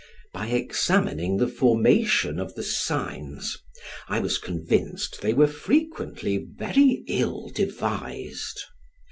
By examining the formation of the signs, I was convinced they were frequently very ill devised.